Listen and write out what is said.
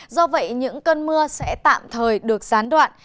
do vậy những cơn mưa sẽ tạm thời được gián đoạn